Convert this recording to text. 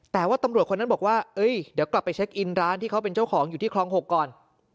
แต่ว่าตำรวจคนนั้นบอกว่าเดี๋ยวกลับไปเช็คอินร้านที่เขาเป็นเจ้าของอยู่ที่คลอง๖ก่อน